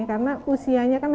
karena usianya kan masih